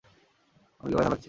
অনেক ব্যাথা লাগছে।